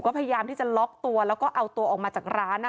ก็พยายามที่จะล็อกตัวแล้วก็เอาตัวออกมาจากร้าน